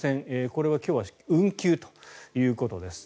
これは今日は運休ということです。